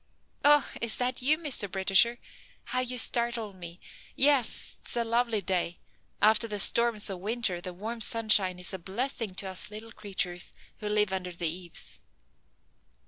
"Ah, is that you, Mr. Britisher? How you startled me. Yes, 'tis a lovely day. After the storms of winter, the warm sunshine is a blessing to us little creatures who live under the eaves."